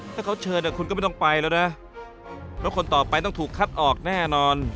ถ้าเขาเชิญคุณก็ไม่ต้องไปแล้วนะเพราะคนต่อไปต้องถูกคัดออกแน่นอน